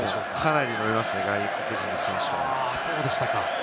かなり飲んでますね、外国人の選手は。